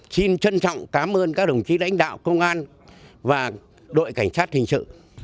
xin trân trọng cảm ơn các đồng chí đánh đạo công an và đội cảnh sát hình sự